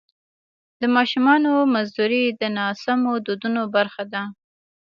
د ماشومانو مزدوري د ناسمو دودونو برخه ده.